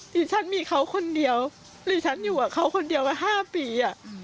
ดิฉันมีเขาคนเดียวดิฉันอยู่กับเขาคนเดียวมา๕ปี